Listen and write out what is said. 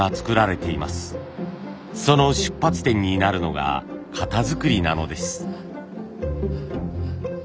その出発点になるのが型作りなのです。